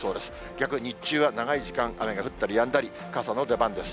逆に日中は長い時間、雨が降ったりやんだり、傘の出番です。